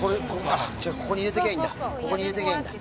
ここに入れていけばいいんだ。